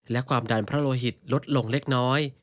และความดันพระโลหิตลดลงเล็กน้อย